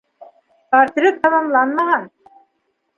Портрет тамамланмаған.